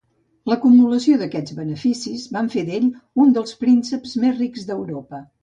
L'acumulació d'aquests beneficis va fer d'ell un dels prínceps més rics d'Europa.